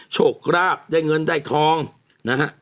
โชคราบได้เงินได้ทองนะฮะ